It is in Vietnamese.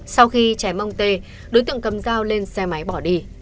sau khi chém ông tê đối tượng cầm dao lên xe máy bỏ đi